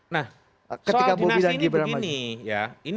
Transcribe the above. nah ketika dinasti ini begini ya